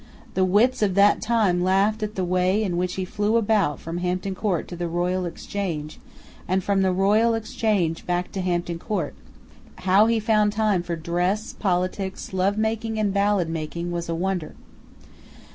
The wits of that time laughed at the way in which he flew about from Hampton Court to the Royal Exchange, and from the Royal Exchange back to Hampton Court. How he found time for dress, politics, lovemaking and balladmaking was a wonder.